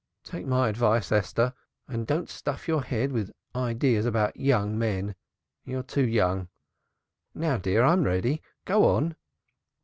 Take my advice, Esther, and don't stuff your head with ideas about young men. You're too young. Now, dear, I'm ready. Go on."